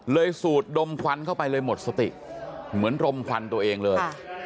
สูดดมควันเข้าไปเลยหมดสติเหมือนรมควันตัวเองเลย